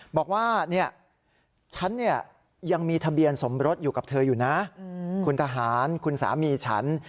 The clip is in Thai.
บอกว่าเนี่ยฉันเนี่ยยังมีทะเบียนสมรสอยู่กับเธออยู่นะคุณทหารคุณสามีฉัน